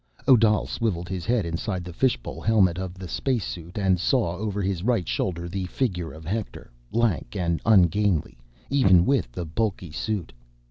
Odal swiveled his head inside the fishbowl helmet of his spacesuit and saw, over his right shoulder, the figure of Hector—lank and ungainly even with the bulky suit.